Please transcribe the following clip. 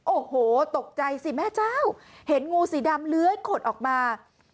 โอ้โหตกใจสิแม่เจ้าเห็นงูสีดำเลื้อยขดออกมา